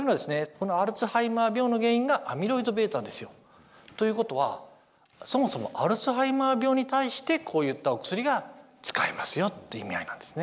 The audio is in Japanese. このアルツハイマー病の原因がアミロイドβですよ。ということはそもそもアルツハイマー病に対してこういったお薬が使えますよって意味合いなんですね。